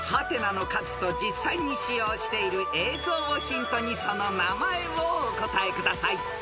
［？の数と実際に使用している映像をヒントにその名前をお答えください］